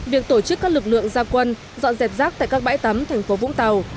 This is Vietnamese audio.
việc tổ chức các lực lượng gia quân dọn dẹp rác tại các bãi tắm thành phố vũng tàu